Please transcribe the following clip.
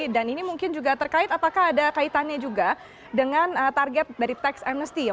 dan ini mungkin juga terkait apakah ada kaitannya juga dengan target dari tax amnesty